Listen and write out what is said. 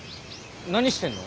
何してんの？